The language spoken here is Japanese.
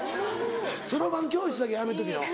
そろばん教室だけやめとけよ。